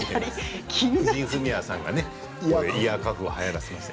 藤井フミヤさんがイヤーカフをはやらせました。